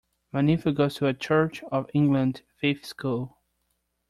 My nephew goes to a Church of England faith school